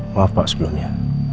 maaf pak sebelumnya